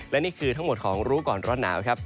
และนี่คือทั้งหมดของรู้ก่อนร้อนหนาวครับ